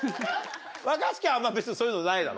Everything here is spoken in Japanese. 若槻は別にそういうのないだろ？